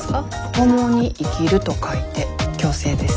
共に生きると書いて共生です。